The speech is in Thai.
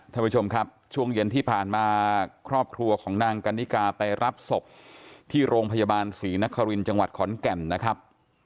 ท่านผู้ชมครับช่วงเย็นที่ผ่านมาครอบครัวของนางกันนิกาไปรับศพที่โรงพยาบาลศรีนครินทร์จังหวัดขอนแก่นนะครับ